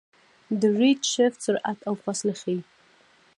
د ریډشفټ سرعت او فاصله ښيي.